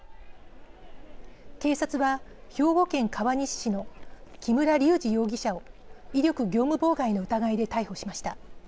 警察は兵庫県川西市の木村隆二容疑者を威力業務妨害の疑いで逮捕しました。